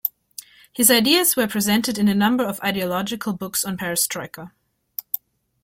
His ideas were presented in a number of ideological books on perestroika.